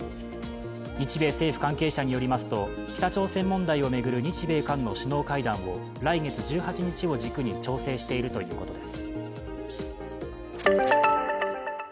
日米政府関係者によりますと北朝鮮問題を巡る日米韓の首脳会談を来月１８日を軸に調整しているということです。